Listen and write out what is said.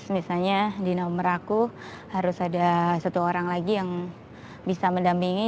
misalnya di nomor aku harus ada satu orang lagi yang bisa mendampingi